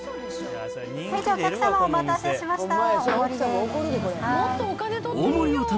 お客様、お待たせしました。